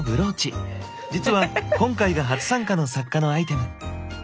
実は今回が初参加の作家のアイテム。